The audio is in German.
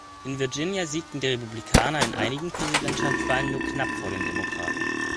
In Virginia siegten die Republikaner in einigen Präsidentschaftswahlen nur knapp vor den Demokraten.